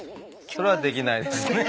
それはできないですね。